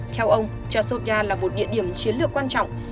theo ông chashia là một địa điểm chiến lược quan trọng